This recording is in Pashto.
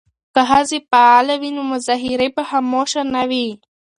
که ښځې فعالې وي نو مظاهرې به خاموشه نه وي.